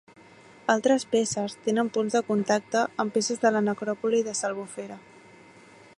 Altres peces tenen punts de contacte amb peces de la necròpoli de s'Albufera.